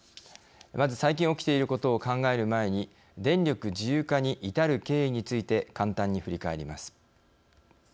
まず、最近起きていることを考える前に、電力自由化に至る経緯について簡単に振り返ります。